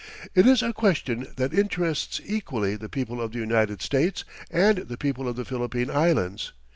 It is a question that interests equally the people of the United States and the people of the Philippine Islands.